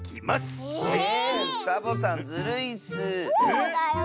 そうだよ。